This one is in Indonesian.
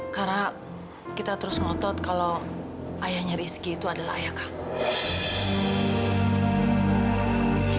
karena kita terus ngotot kalau ayahnya rizky itu adalah ayah kamu